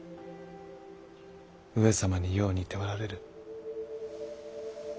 上様によう似ておられる。